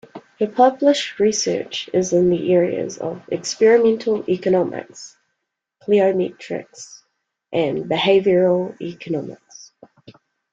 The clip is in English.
Her published research is in the areas of Experimental economics, Cliometrics, and Behavioral Economics.